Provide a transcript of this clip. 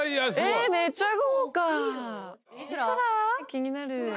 気になる。